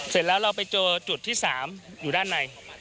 เสร็จแล้วเราไปเจอจุดที่๓อยู่ด้านใน